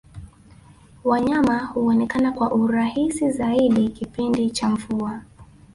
wanyama huonekana kwa urahisi zaidi kipindi cha mvua